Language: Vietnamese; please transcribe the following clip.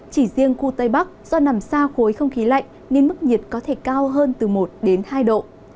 chỉ riêng khu tây bắc do nằm xa khối không khí lạnh nên mức nhiệt có thể cao hơn từ một đến hai độ